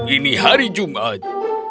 ini hari jumat